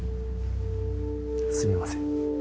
すみません。